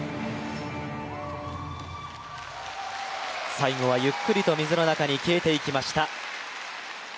最後はゆっくりと水の中に消えていきました。